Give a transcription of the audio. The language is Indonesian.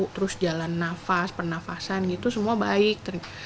terus jalan nafas pernafasan gitu semua baik